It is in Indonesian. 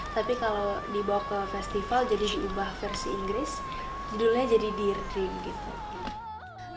tapi kalau dibawa ke festival jadi diubah versi inggris judulnya jadi dear dream gitu